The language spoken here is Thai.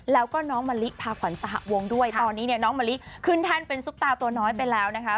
แล้วก็น้องมะลิพาขวัญสหวงด้วยตอนนี้เนี่ยน้องมะลิขึ้นแท่นเป็นซุปตาตัวน้อยไปแล้วนะคะ